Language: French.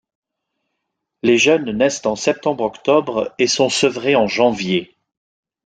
Les jeunes naissent en septembre-octobre et sont sevrés en janvier.